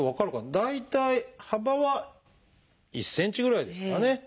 大体幅は１ｃｍぐらいですかね。